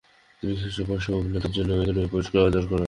তিনি শ্রেষ্ঠ পার্শ্ব অভিনেতার জন্য একাডেমি পুরস্কার অর্জন করেন।